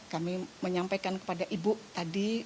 kami menyampaikan kepada ibu tadi